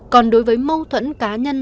còn đối với mâu thuẫn cá nhân